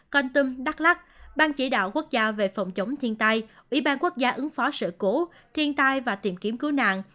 con tâm đắk lắc ban chỉ đạo quốc gia về phòng chống thiên tai ủy ban quốc gia ứng phó sự cố thiên tai và tìm kiếm cứu nạn